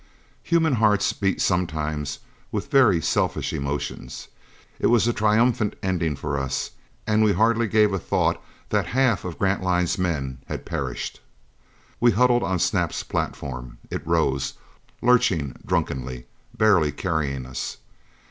Human hearts beat sometimes with very selfish emotions. It was a triumphant ending for us, and we hardly gave a thought that half of Grantline's men had perished. We huddled on Snap's platform. It rose, lurching drunkenly barely carrying us.